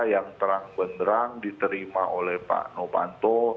yang terang benderang diterima oleh pak nopanto